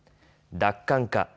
奪還か。